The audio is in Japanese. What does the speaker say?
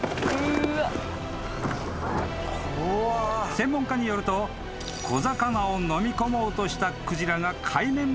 ［専門家によると小魚をのみ込もうとしたクジラが海面まで浮上］